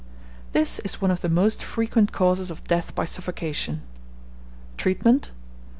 This is one of the most frequent causes of death by suffocation. Treatment.